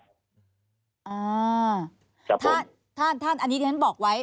ที่จะรู้รายละเอียดนะครับอ่าครับผมท่านท่านอันนี้ท่านบอกไว้